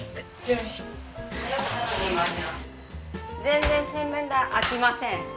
全然洗面台空きません。